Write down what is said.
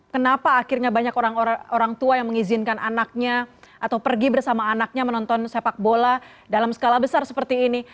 kenapa akhirnya banyak orang tua yang mengizinkan anaknya atau pergi bersama anaknya menonton sepak bola dalam skala besar seperti ini